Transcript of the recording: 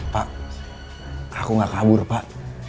pak aku gak kabur pak